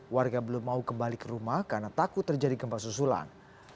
warga belum mau kembali ke rumah karena takut terjadi gempa susulan